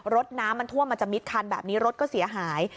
รถน้ำมันท่วมมันจะมิดคันแบบนี้รถก็เสียหาย